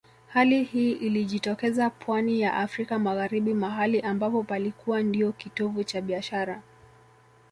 Hali hii ilijitokeza pwani ya Afrika Magharibi mahali ambapo palikuwa ndio kitovu cha biashara